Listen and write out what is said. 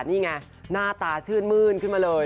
นี่ไงหน้าตาชื่นมื้นขึ้นมาเลย